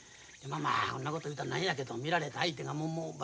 まあこんなこと言うたら何やけど見られた相手がもも。